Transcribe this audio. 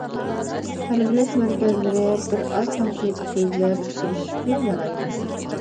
تەربىيەلەش مەركەزلىرى بىر ئاز تاكتىكا سۆزلەپ بېرىشكىلا يارايدۇ.